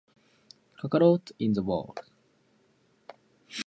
Since then, Joyo expands their business to general merchandise, and has sold commodities.